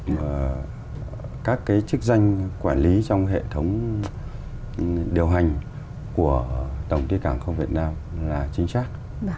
và các cái chức danh quản lý trong hệ thống điều hành của tổng ty cảng hàng không việt nam là chính xác